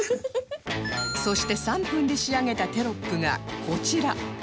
そして３分で仕上げたテロップがこちら